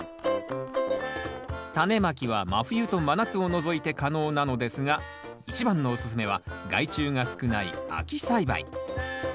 タネまきは真冬と真夏を除いて可能なのですが一番のおすすめは害虫が少ない秋栽培。